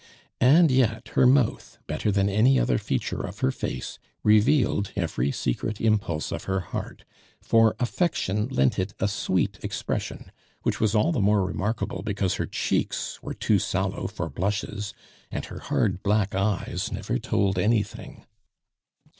And yet her mouth, better than any other feature of her face, revealed every secret impulse of her heart, for affection lent it a sweet expression, which was all the more remarkable because her cheeks were too sallow for blushes, and her hard, black eyes never told anything.